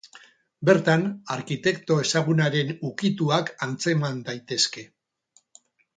Bertan, arkitekto ezagunaren ukituak antzeman daitezke.